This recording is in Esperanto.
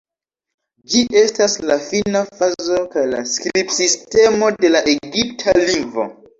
Ĝi estas la fina fazo kaj la skribsistemo de la egipta lingvo.